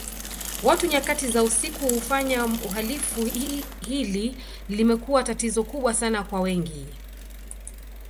Watu nyakati za usiku ufanya uhalifu hili limekuwa tatizo kubwa Sana kwa wengi